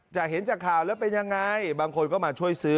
จากเห็นจากข่าวแล้วเป็นยังไงบางคนก็มาช่วยซื้อ